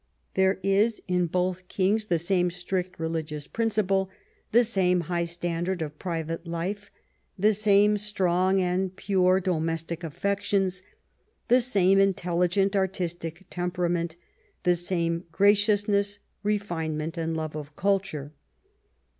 There is in both kings the same strict religious principle, the same high standard of private life, the same strong and pure domestic affections, the same intelligent, artistic temperament, the same graciousness, refinement, and love of culture.